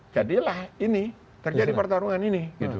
jadilah ini terjadi pertarungan ini